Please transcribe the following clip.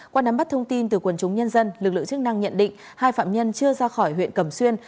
qua nắm bắt thông tin từ quần chúng nhân dân lực lượng chức năng nhận định hai phạm nhân chưa ra khỏi huyện cẩm xuyên